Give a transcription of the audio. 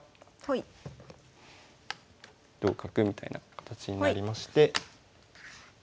同角みたいな形になりまして。